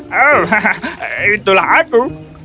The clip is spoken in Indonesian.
hahaha oh itulah aku